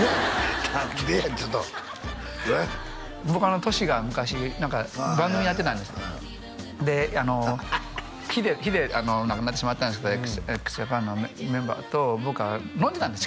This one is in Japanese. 何でやちょっとボーカルのＴｏｓｈｌが昔番組やってたんですでＨＩＤＥ亡くなってしまったんですけどＸＪＡＰＡＮのメンバーと僕は飲んでたんです